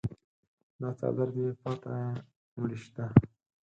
دا څادر دې پاته مړی شته.